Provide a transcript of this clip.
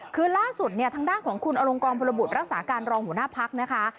คือล่าสุดเนี่ยทางด้านของคุณอลงกองพลบุตรรักษาการรองหัวหน้าพักนะคะ